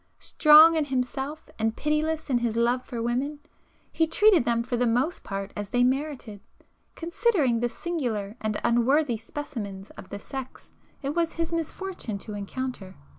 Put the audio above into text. Strong in himself and pitiless in his love for women, he treated them for the most part as they merited, considering the singular and unworthy specimens of the sex it was his misfortune to encounter.